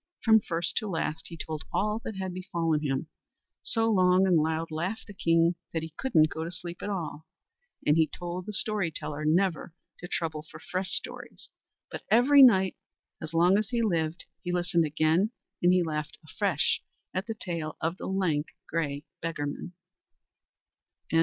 From first to last he told all that had befallen him; so long and loud laughed the king that he couldn't go to sleep at all. And he told the story teller never to trouble for fresh stories, but every night as long as he lived he listened again and he laughed afresh at the tale of the lank, grey beggarman.